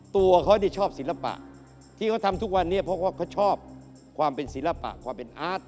ตัวเขาชอบศิลปะที่เขาทำทุกวันนี้เพราะว่าเขาชอบความเป็นศิลปะความเป็นอาร์ต